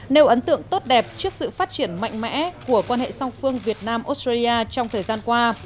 nêu ấn tượng tốt đẹp trước sự phát triển mạnh mẽ của quan hệ song phương việt nam australia trong thời gian qua